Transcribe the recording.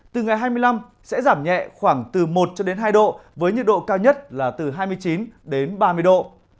từ ngày hai mươi năm sẽ giảm nhẹ khoảng từ một hai độ với nhiệt độ cao nhất là từ hai mươi chín ba mươi độ